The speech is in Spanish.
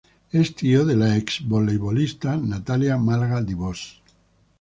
Es tío de la ex-voleibolista Natalia Málaga Dibós.